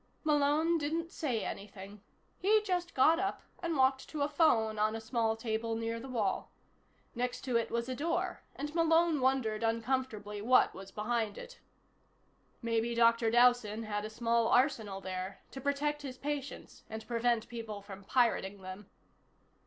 Malone didn't say anything. He just got up and walked to a phone on a small table, near the wall. Next to it was a door, and Malone wondered uncomfortably what was behind it. Maybe Dr. Dowson had a small arsenal there, to protect his patients and prevent people from pirating them.